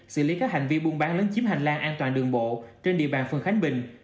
xử lý các hành vi buôn bán lấn chiếm hành lang an toàn đường bộ trên địa bàn phường khánh bình